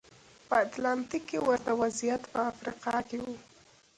په اتلانتیک کې ورته وضعیت په افریقا کې و.